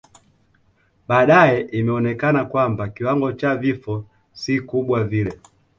Baadae imeonekana kwamba kiwango cha vifo si kubwa vile